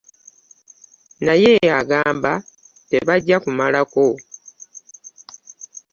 Naye agamba tebajja kumalako.